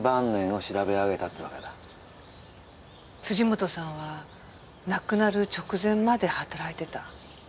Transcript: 辻本さんは亡くなる直前まで働いてた。